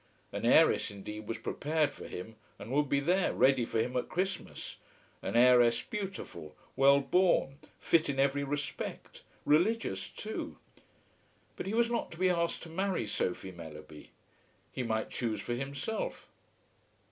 An heiress indeed was prepared for him, and would be there, ready for him at Christmas, an heiress, beautiful, well born, fit in every respect, religious too. But he was not to be asked to marry Sophie Mellerby. He might choose for himself.